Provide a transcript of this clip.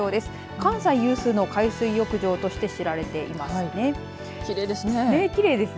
関西有数の海水浴場として知られています。